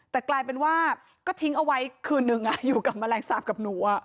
แต่กลายเป็นว่าก็ทิ้งเอาไว้คืนนึงอยู่กับแมลงสาปกับหนู